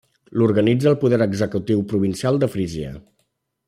L'organitza el Poder Executiu Provincial de Frísia.